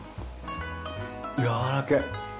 やわらけえ。